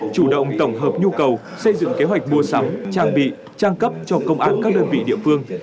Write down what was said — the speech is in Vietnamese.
chủ động tổng hợp nhu cầu xây dựng kế hoạch mua sắm trang bị trang cấp cho công an các đơn vị địa phương